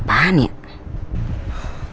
kok kayaknya pan nino serius banget ya mulai